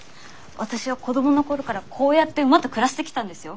私は子供の頃からこうやって馬と暮らしてきたんですよ。